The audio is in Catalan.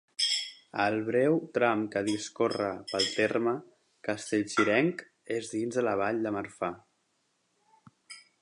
El breu tram que discorre pel terme castellcirenc és dins de la Vall de Marfà.